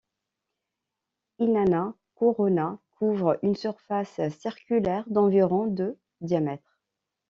Inanna Corona couvre une surface circulaire d'environ de diamètre.